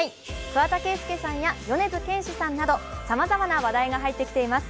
桑田佳祐さんや米津玄師さんなどさまざまな話題が入ってきています。